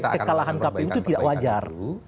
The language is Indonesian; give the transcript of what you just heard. kekalahan kpu itu tidak wajar